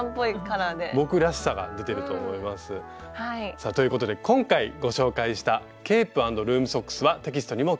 さあということで今回ご紹介したケープ＆ルームソックスはテキストにも掲載されています。